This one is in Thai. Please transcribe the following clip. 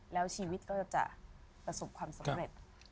แล้วชีวิตก็จะประสบความสำเร็จ